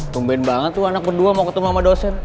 bumben banget tuh anak kedua mau ketemu sama dosen